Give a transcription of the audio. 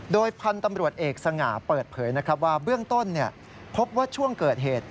โดยพันธุ์ตำรวจเอกสง่าเปิดเผยนะครับว่าเบื้องต้นพบว่าช่วงเกิดเหตุ